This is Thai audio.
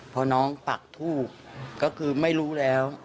พอน้องปักทูบก็คือไม่รู้แล้ว